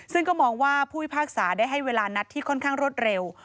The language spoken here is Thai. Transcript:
ซึ่งก็มองว่าผู้พิพากษาได้ให้เวลานัดที่ค่อนข้างรวดเร็ว